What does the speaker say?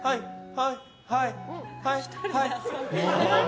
はい！